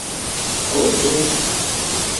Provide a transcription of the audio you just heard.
Ko ar šīm?